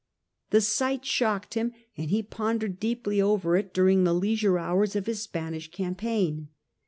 The sight shocked him, and he pondered deeply over it during the leisure hours of his Spanish campaign.